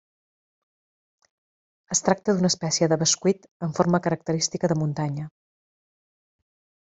Es tracta d'una espècie de bescuit amb forma característica de muntanya.